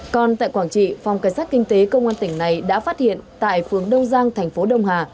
còn tại quảng trị phòng cảnh sát kinh tế công an tỉnh này đã phát hiện tại phường đông giang thành phố đông hà